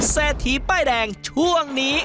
เซทีป้ายแดงช่วงนี้